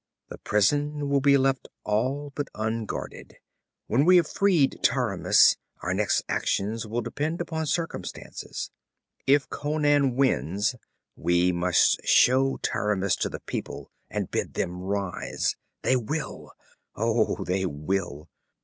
'The prison will be left all but unguarded. When we have freed Taramis our next actions will depend upon circumstances. If Conan wins, we must show Taramis to the people and bid them rise they will! Oh, they will!